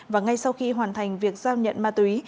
và ngay sau khi hoàn thành việc giao nhận ma túy